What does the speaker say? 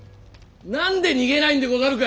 何で逃げないんでござるか？